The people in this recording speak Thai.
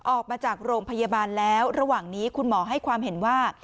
ออกมาจากโรงพยาบาลแล้วระหว่างนี้คุณหมอให้ความเห็นว่า